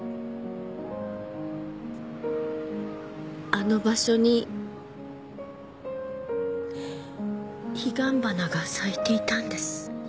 あの場所に彼岸花が咲いていたんです。